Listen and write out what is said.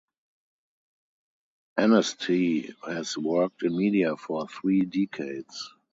Anstey has worked in media for three decades.